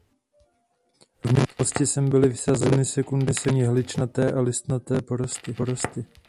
V minulosti sem byly vysázeny sekundární jehličnaté a listnaté porosty.